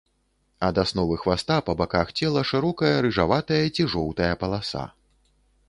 Ад асновы хваста па баках цела шырокая рыжаватая ці жоўтая паласа.